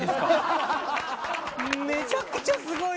めちゃくちゃすごい。